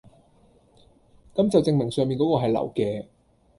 咁就證明上面嗰個係流嘅